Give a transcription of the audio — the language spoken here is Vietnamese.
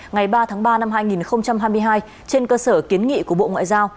ngày ba tháng ba năm hai nghìn hai mươi hai trên cơ sở kiến nghị của bộ ngoại giao